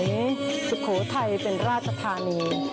ที่มีมาตั้งแต่สมัยสุโขทัยเป็นราชธานี